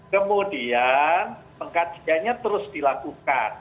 kemudian pengkajiannya terus dilakukan